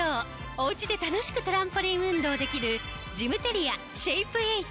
おうちで楽しくトランポリン運動できるジムテリアシェイプエイト。